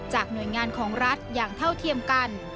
หน่วยงานของรัฐอย่างเท่าเทียมกัน